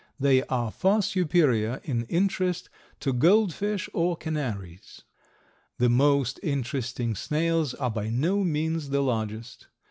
They are far superior in interest to goldfish or canaries. The most interesting snails are by no means the largest.